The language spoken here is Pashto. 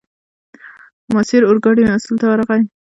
ماسیر اورګاډي مسوول ته ورغی.